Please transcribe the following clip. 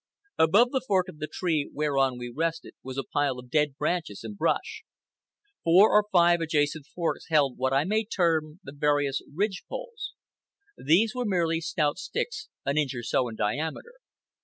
Above the fork of the tree whereon we rested was a pile of dead branches and brush. Four or five adjacent forks held what I may term the various ridge poles. These were merely stout sticks an inch or so in diameter.